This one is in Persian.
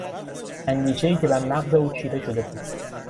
اندیشهای که برمغز او چیره شده بود.